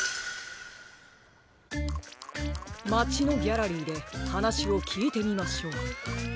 まちのギャラリーではなしをきいてみましょう。